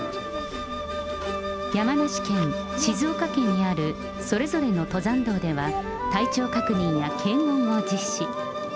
山梨県、静岡県にある、それぞれの登山道では、体調確認や検温を実施。